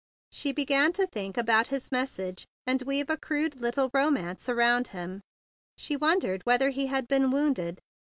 She began to think about his message and weave a crude little ro¬ mance around him. She wondered whether he had been wounded.